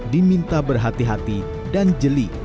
diminta berhati hati dan jeli